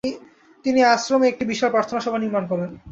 তিনি এই আশ্রমে একটি বিশাল প্রার্থনা সভা নির্মাণ করেন।